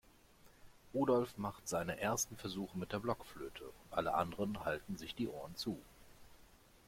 Rudolf macht seine ersten Versuche mit der Blockflöte und alle anderen halten sich die Ohren zu.